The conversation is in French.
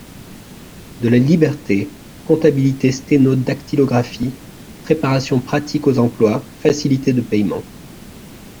de la Liberté, comptabilité sténo-dactylographie, préparation pratique aux emplois, facilités de payement.